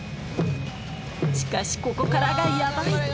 しかしここからがヤバい！